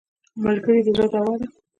ملګری د زړه دوا ده